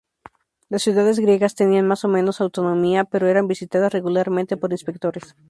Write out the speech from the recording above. Las ciudades griegas tenían más o menos autonomía, pero eran visitadas regularmente por inspectores.